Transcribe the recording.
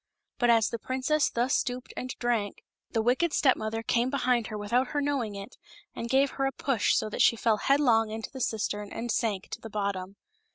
But as the princess thus stooped and drank, the wicked stepK mother came behind her without her knowing it, and gave her a push so that she fell headlong into the cistern and sank to the bottom.